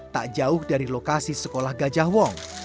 tak jauh dari lokasi sekolah gajah wong